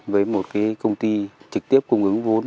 với một công ty trực tiếp cung ứng vốn